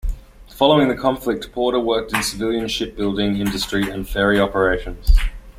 Following the conflict, Porter worked in civilian shipbuilding, industry and ferry operations.